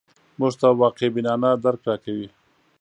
موږ ته واقع بینانه درک راکوي